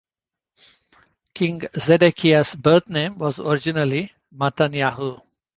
King Zedekiah's birth name was originally Mattanyahu.